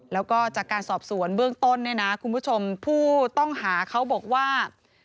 แล้วก็จากการสอบสวนเบื้องต้นเนี่ยนะคุณผู้ชมผู้ต้องหาเขาบอกว่า